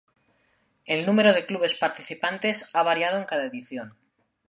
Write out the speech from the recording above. El número de clubes participantes ha variado en cada edición.